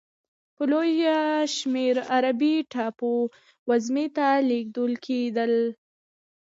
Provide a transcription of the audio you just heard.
په لویه شمېر عربي ټاپو وزمې ته لېږدول کېدل.